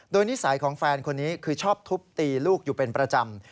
โดยนิสัยของแฟนคนนี้คือชอบทุบตีลูกอยู่เป็นประจำ